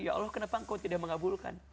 ya allah kenapa engkau tidak mengabulkan